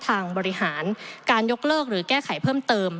ทางบริหารการยกเลิกหรือแก้ไขเพิ่มเติม